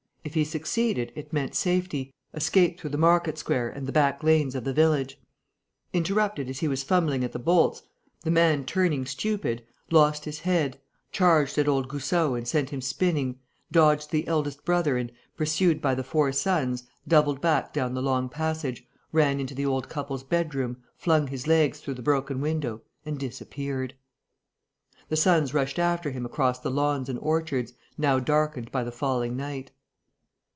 If he succeeded, it meant safety, escape through the market square and the back lanes of the village. Interrupted as he was fumbling at the bolts, the man turning stupid, lost his head, charged at old Goussot and sent him spinning, dodged the eldest brother and, pursued by the four sons, doubled back down the long passage, ran into the old couple's bedroom, flung his legs through the broken window and disappeared. The sons rushed after him across the lawns and orchards, now darkened by the falling night.